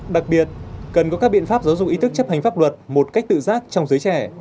đặc biệt cần có các biện pháp giáo dục ý thức chấp hành pháp luật một cách tự giác trong giới trẻ